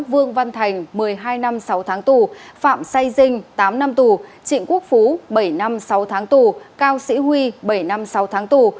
vương văn thành một mươi hai năm sáu tháng tù phạm say dinh tám năm tù trịnh quốc phú bảy năm sáu tháng tù cao sĩ huy bảy năm sáu tháng tù